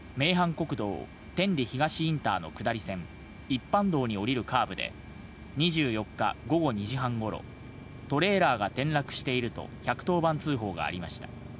国道天理東インターの下り線、一般道に降りるカーブで、２４日午後２時半ごろ、トレーラーが転落していると１１０番通報がありました。